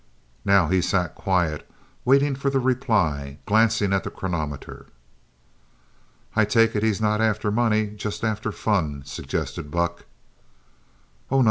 Now he sat quiet waiting for the reply, glancing at the chronometer. "I take it he's not after money just after fun," suggested Buck. "Oh, no.